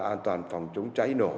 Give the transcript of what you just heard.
an toàn phòng chống cháy nổ